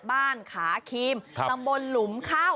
บ้านขาครีมตำบลหลุมข้าว